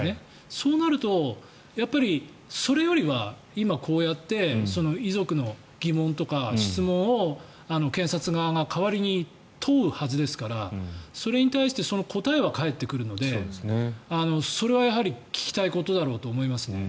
そうなると、やっぱりそれよりは今、こうやって遺族の疑問とか質問を検察側が代わりに問うはずですからそれに対してその答えは返ってくるのでそれは聞きたいことだろうと思いますね。